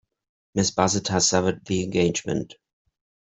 Miss Bassett has severed the engagement.